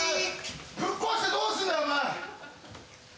ぶっ壊してどうすんだよお前！